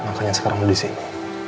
makanya sekarang di sini